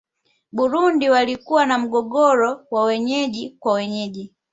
burundi walikuwa na mgogoro wa wenyewe kwa wenyewe